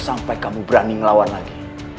sampai kamu berani ngelawan lagi